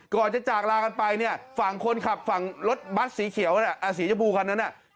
ก่อนจะจากลากันไปเนี่ยฝั่งคนขับฝั่งรถบัตรสีเขียวสีชมพูคันนั้นน่ะ